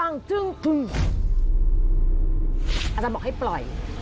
อาจารย์บอกให้ปล่อย